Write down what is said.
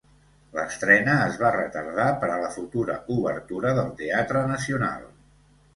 L'estrena es va retardar per a la futura obertura del Teatre Nacional.